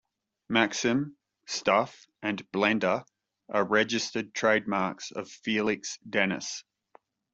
"Maxim", "Stuff" and "Blender" are registered trademarks of Felix Dennis.